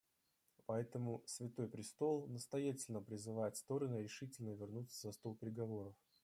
Поэтому Святой престол настоятельно призывает стороны решительно вернуться за стол переговоров.